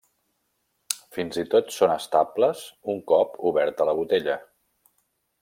Fins i tot són estables un cop oberta la botella.